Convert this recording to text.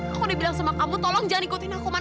aku udah bilang sama kamu tolong jangan ikutin aku man